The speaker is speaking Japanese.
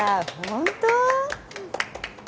本当？